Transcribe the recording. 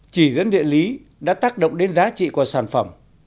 chỉ dẫn địa lý đã tác động đến giá trị của sản phẩm